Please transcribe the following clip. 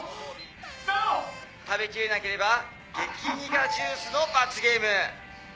食べきれなければ激苦ジュースの罰ゲーム。